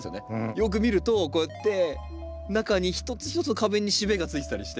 よく見るとこうやって中にひとつひとつの花弁にしべがついてたりして。